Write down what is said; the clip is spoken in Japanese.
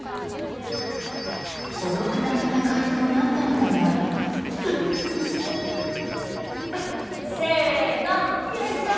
孤独な戦いとなったのだがせーの、よいしょ！